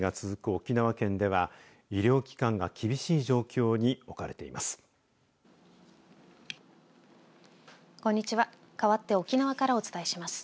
沖縄県では医療機関が厳しい状況に置かれています。